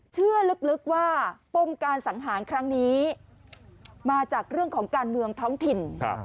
เชื่อลึกว่าปมการสังหารครั้งนี้มาจากเรื่องของการเมืองท้องถิ่น